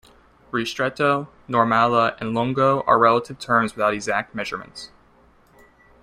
Ristretto, normale, and lungo are relative terms without exact measurements.